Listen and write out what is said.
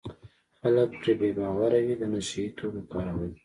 خلک پرې بې باوره وي د نشه یي توکو کارول.